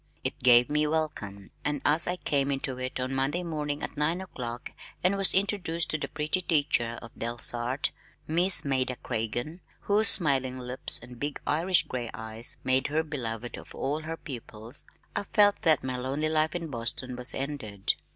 It gave me welcome, and as I came into it on Monday morning at nine o'clock and was introduced to the pretty teacher of Delsarte, Miss Maida Craigen, whose smiling lips and big Irish gray eyes made her beloved of all her pupils, I felt that my lonely life in Boston was ended.